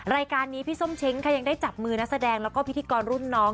รายการนี้พี่ส้มเช้งค่ะยังได้จับมือนักแสดงแล้วก็พิธีกรรุ่นน้อง